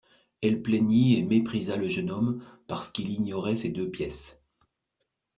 Elle plaignit et méprisa le jeune homme parce qu'il ignorait ces deux pièces.